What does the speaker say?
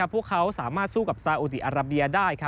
พวกเขาสามารถสู้กับซาอุดีอาราเบียได้